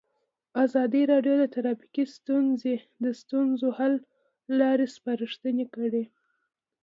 ازادي راډیو د ټرافیکي ستونزې د ستونزو حل لارې سپارښتنې کړي.